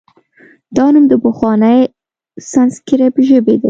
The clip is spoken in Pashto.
دا نوم د پخوانۍ سانسکریت ژبې دی